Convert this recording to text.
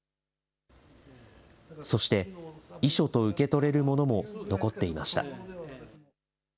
そして、遺書と受け取れるものも残っていました。